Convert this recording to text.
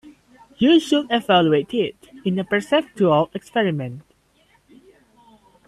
You should evaluate it in a perceptual experiment.